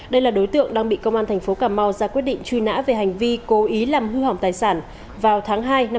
đây là đối tượng đang bị công an thành phố cà mau ra quyết định truy nã về hành vi cố ý làm hư hỏng tài sản vào tháng hai năm hai nghìn hai mươi